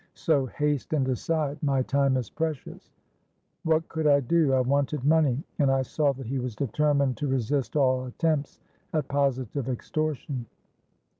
So, haste and decide: my time is precious.'—What could I do? I wanted money, and I saw that he was determined to resist all attempts at positive extortion.